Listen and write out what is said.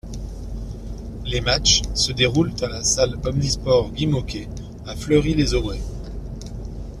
Les matchs se déroulent à la salle omnisports Guy-Môquet à Fleury-les-Aubrais.